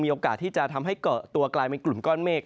โอกาสที่จะทำให้เกาะตัวกลายเป็นกลุ่มก้อนเมฆ